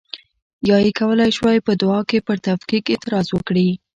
یا یې کولای شوای په دعا کې پر تفکیک اعتراض وکړي.